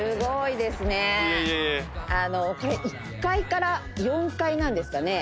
１階から４階なんですか？